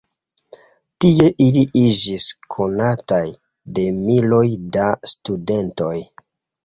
Tie ili iĝis konataj de miloj da studentoj.